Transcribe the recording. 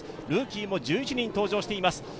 ルーキーも１１人登場しています。